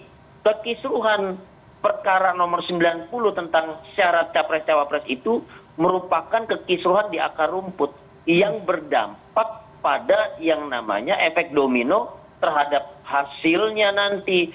jadi kekisruhan perkara nomor sembilan puluh tentang syarat cawapres cawapres itu merupakan kekisruhan di akar rumput yang berdampak pada yang namanya efek domino terhadap hasilnya nanti